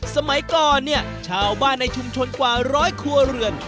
สมัยก่อนเนี่ยชาวบ้านในชุมชนกว่าร้อยครัวเรือน